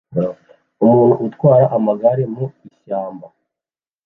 Umuntu utwara amagare mu ishyamba